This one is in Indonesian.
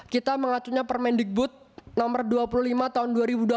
kita mengacunya permendikbud nomor dua puluh lima tahun dua ribu dua puluh